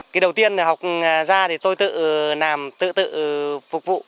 cái đầu tiên học ra thì tôi tự làm tự tự phục vụ